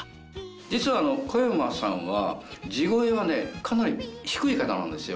実は小山さんは地声はねかなり低い方なんですよ